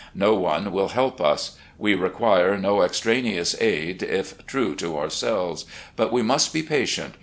No one will help us. We require no extra neous aid, if true to ourselves. But we must be patient.